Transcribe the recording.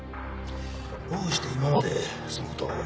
どうして今までそのことを。